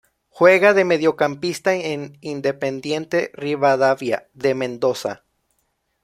Juega de Mediocampista en Independiente Rivadavia de Mendoza.